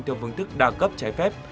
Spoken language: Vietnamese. theo phương thức đa cấp trái phép